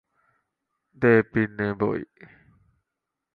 ദേ പിന്നേം പോയി